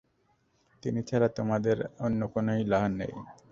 তিনি ছাড়া তোমাদের অন্য কোন ইলাহ নেই।